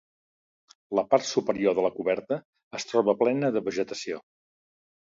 La part superior de la coberta, es troba plena de vegetació.